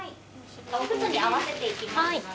お靴に合わせていきますので。